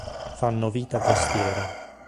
Fanno vita costiera.